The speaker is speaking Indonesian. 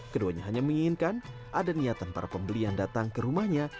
keduanya hanya menginginkan ada niatan para pembeli yang datang ke rumahnya